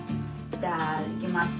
じゃあいきます。